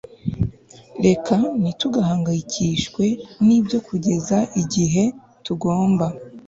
Reka ntitugahangayikishwe nibyo kugeza igihe tugomba